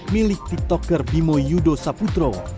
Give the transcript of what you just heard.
milik tiktoker bimo yudo saputro